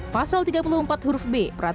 pasal tiga puluh empat huruf b